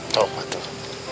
tau pak tuh